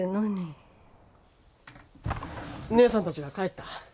義姉さんたちが帰った。